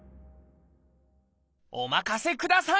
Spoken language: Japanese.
お任せください！